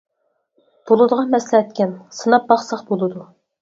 — بولىدىغان مەسلىھەتكەن، سىناپ باقساق بولىدۇ.